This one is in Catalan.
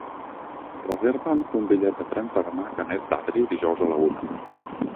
Reserva'm un bitllet de tren per anar a Canet d'Adri dijous a la una.